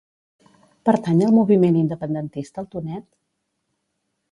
Pertany al moviment independentista el Tonet?